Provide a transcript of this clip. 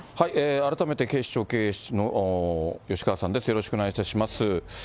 改めて警視庁刑事の吉川さんです、よろしくお願いいたします。